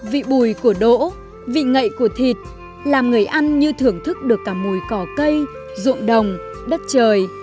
vị bùi của đỗ vị ngậy của thịt làm người ăn như thưởng thức được cả mùi cỏ cây ruộng đồng đất trời